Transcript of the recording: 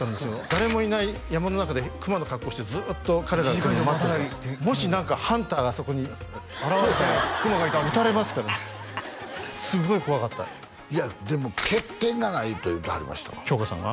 誰もいない山の中で熊の格好してずっと彼らが来るの待ってるからもし何かハンターがあそこに現れたら撃たれますからすごい怖かったいやでも「欠点がない」と言うてはりましたわ京香さんが？